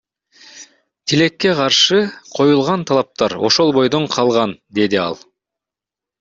Тилекке каршы, коюлган талаптар ошол бойдон калган, — деди ал.